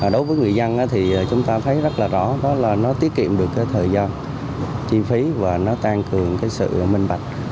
đối với người dân thì chúng ta thấy rất là rõ đó là nó tiết kiệm được cái thời gian chi phí và nó tăng cường cái sự minh bạch